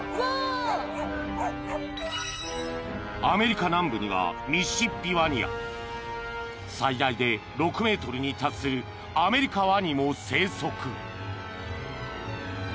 ［アメリカ南部にはミシシッピワニや最大で６ｍに達するアメリカワニも生息］